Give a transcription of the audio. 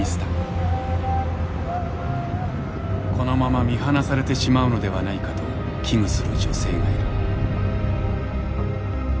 このまま見放されてしまうのではないかと危惧する女性がいる。